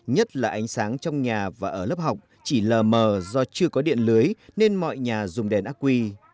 nhất là ánh sáng trong nhà và ở lớp học chỉ lờ mờ do chưa có điện lưới nên mọi nhà dùng đèn ác quy